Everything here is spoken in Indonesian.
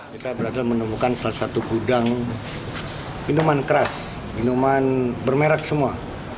kita berhasil menemukan salah satu gudang minuman keras minuman bermerek semua